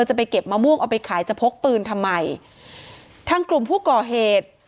จะไปเก็บมะม่วงเอาไปขายจะพกปืนทำไมทางกลุ่มผู้ก่อเหตุ